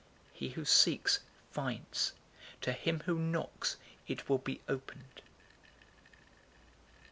He who seeks finds. To him who knocks it will be opened.